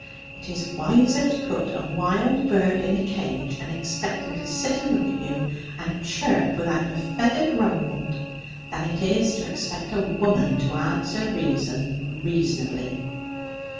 It is wiser to put a wild bird in a cage, and expect him to sit and look at you, and chirp without a feather rumpled, than it is to expect a woman to answer reason reasonably.'